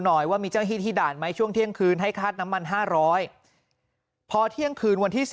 หน่อยว่ามีเจ้าที่ที่ด่านไหมช่วงเที่ยงคืนให้คาดน้ำมัน๕๐๐พอเที่ยงคืนวันที่๔